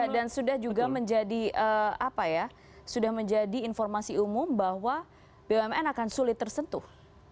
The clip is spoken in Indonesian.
dan sudah juga menjadi informasi umum bahwa bumn akan sulit tersentuh